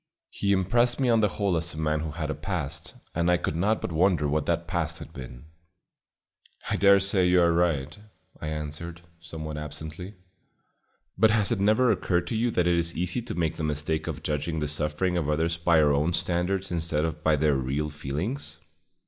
He impressed me on the whole as a man who had a past, and I could not but wonder what that past had been. "I dare say you are right," I answered, somewhat absently, "but has it never occurred to you that it is easy to make the mistake of judging the suffering of others by our own standards instead of by their real feelings?